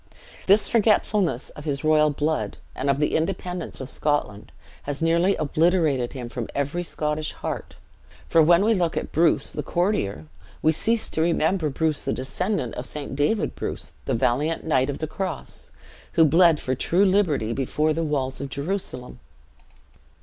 This forgetfulness of his royal blood, and of the independence of Scotland, has nearly obliterated him from every Scottish heart; for, when we look at Bruce the courtier, we cease to remember Bruce the descendant of St. David Bruce the valiant knight of the Cross, who bled for true liberty before the walls of Jerusalem.